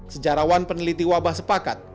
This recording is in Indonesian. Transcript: sejarawan peneliti wabah sepakat